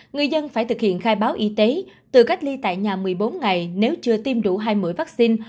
người dân phải thực hiện khai báo y tế từ cách ly tại nhà một mươi bốn ngày nếu chưa tiêm đủ hai mũi vaccine